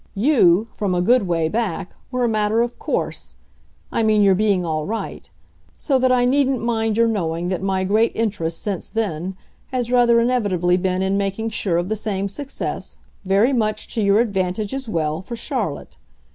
YOU, from a good way back, were a matter of course I mean your being all right; so that I needn't mind your knowing that my great interest, since then, has rather inevitably been in making sure of the same success, very much to your advantage as well, for Charlotte.